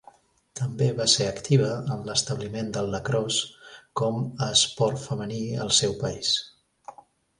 També va ser activa en l'establiment del lacrosse com a esport femení al seu país.